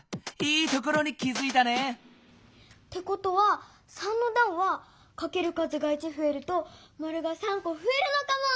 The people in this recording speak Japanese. いいところに気づいたね！ってことは３のだんはかける数が１ふえるとマルが３こふえるのかも。